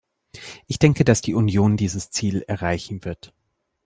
Ich denke, dass die Union dieses Ziel erreichen wird.